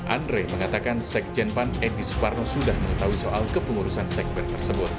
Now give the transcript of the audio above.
andre mengatakan sekjen pan edi suparno sudah mengetahui soal kepengurusan sekber tersebut